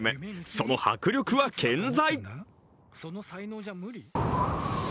その迫力は健在。